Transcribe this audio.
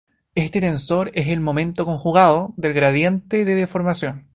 Este tensor es el "momento conjugado" del gradiente de deformación.